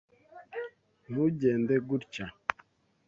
Ntugende gutya.